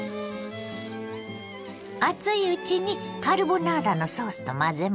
熱いうちにカルボナーラのソースと混ぜましょ。